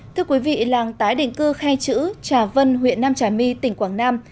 thưa quý vị làng tái định cư khai chữ trà vân huyện nam trà my tỉnh quảng nam